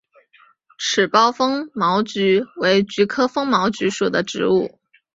齿苞风毛菊为菊科风毛菊属的植物。